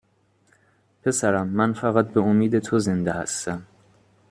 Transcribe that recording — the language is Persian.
پسرم من فقط به امید تو زنده هستم